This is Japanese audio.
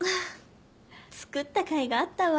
作ったかいがあったわ。